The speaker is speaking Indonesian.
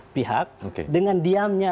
pihak dengan diamnya